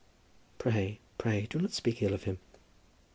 "Pray, pray do not speak ill of him."